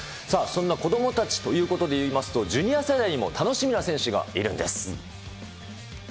そんな子どもたちということで言いますと、ジュニア世代にも楽しみな選手がいるんです。